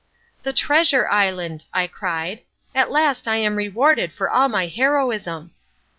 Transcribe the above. "The treasure island," I cried, "at last I am rewarded for all my heroism."